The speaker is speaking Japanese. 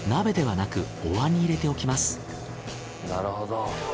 なるほど。